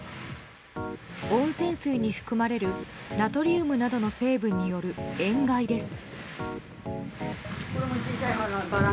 温泉水に含まれるナトリウムなどの成分による塩害です。